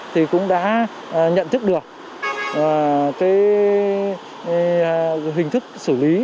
thì cũng đã nhận thức được cái hình thức xử lý